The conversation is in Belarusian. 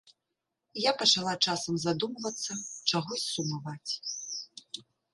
Я пачала часам задумвацца, чагось сумаваць.